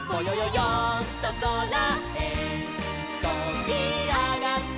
よんとそらへとびあがってみよう」